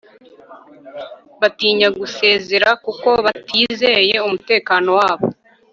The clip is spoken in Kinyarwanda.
Batinya gusezera kuko batizeye umutekano wabo